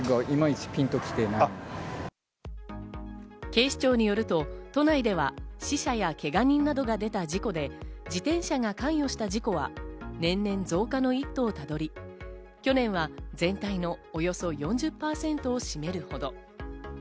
警視庁によると、都内では死者やけが人などが出た事故で、自転車が関与した事故は年々、増加の一途をたどり、去年は全体のおよそ４０％を占めるほど。